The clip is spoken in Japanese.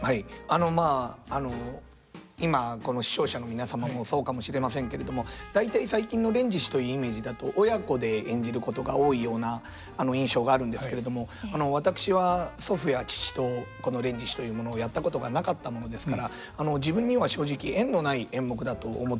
あのまああの今この視聴者の皆様もそうかもしれませんけれども大体最近の「連獅子」というイメージだと親子で演じることが多いような印象があるんですけれども私は祖父や父とこの「連獅子」というものをやったことがなかったものですから自分には正直縁のない演目だと思っておりました。